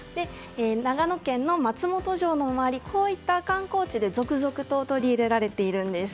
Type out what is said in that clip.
長野県の松本城の周りなどの観光地で続々と取り入れられているんです。